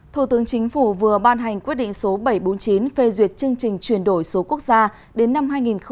thủ tướng chính phủ vừa ban hành quyết định số bảy trăm bốn mươi chín phê duyệt chương trình chuyển đổi số quốc gia đến năm hai nghìn hai mươi